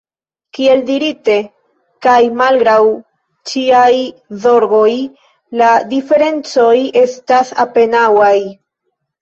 Kiel dirite, kaj malgraŭ ĉiaj zorgoj, la diferencoj estas apenaŭaj.